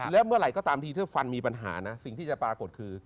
และเมื่อไหร่ก็ตามทีถ้าฟันมีปัญหานะสิ่งที่จะปรากฏคือ